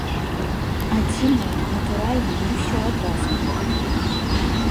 Адзінае, натуральна, не ўсё адразу.